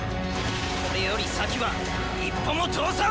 これより先は一歩も通さん！